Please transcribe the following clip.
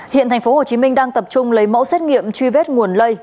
hiện tp hcm đang tập trung lấy mẫu xét nghiệm truy vết nguồn lây